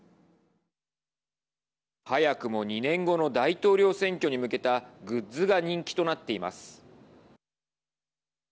早くも２年後の大統領選挙に向けたグッズが人気となっています。